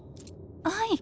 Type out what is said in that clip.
はい。